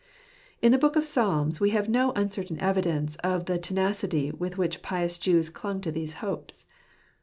In the Book of Psalms we have no uncertain evidence of the tenacity with which pious Jews clung to these hopes.